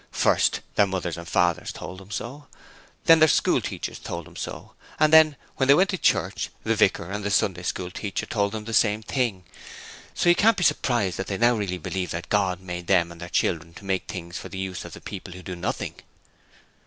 First, their mothers and fathers told them so; then, their schoolteachers told them so; and then, when they went to church, the vicar and the Sunday School teacher told them the same thing. So you can't be surprised that they now really believe that God made them and their children to make things for the use of the people who do nothing.'